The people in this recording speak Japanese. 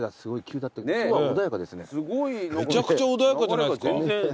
めちゃくちゃ穏やかじゃないですか。